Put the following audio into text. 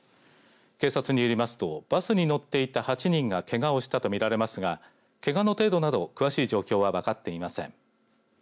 警察によりますとバスに乗っていた８人がけがをしたと見られますがけがの程度など詳しい状況は分かっていません。